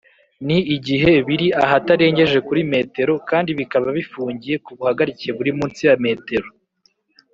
ni igihe biri ahatarengeje kuri m kandi bikaba bifungiye kubuhagarike buri munsi ya m